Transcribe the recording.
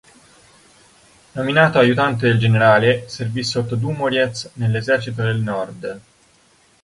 Nominato aiutante del generale, servì sotto Dumouriez nell'esercito del Nord.